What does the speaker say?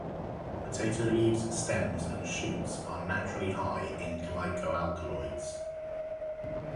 Potato leaves, stems, and shoots are naturally high in glycoalkaloids.